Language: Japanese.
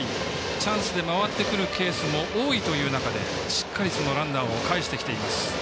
チャンスで回ってくるケースも多いという中でしっかり、そのランナーを返してきています。